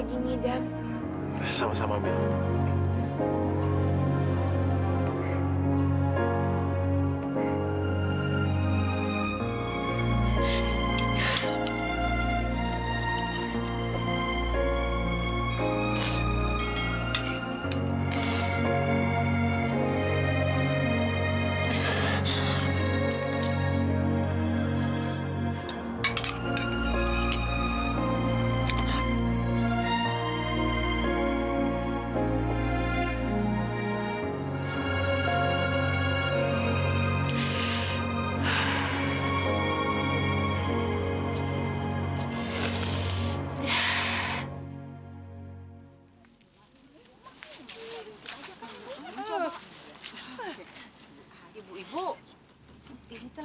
kita bisa makan kak fadil